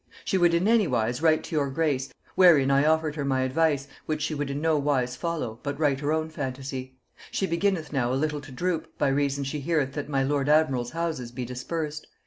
She would in any wise write to your grace, wherein I offered her my advice, which she would in no wise follow, but write her own phantasy. She beginneth now a little to droop, by reason she heareth that my lord admiral's houses be dispersed.